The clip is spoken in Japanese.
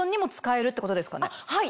はい。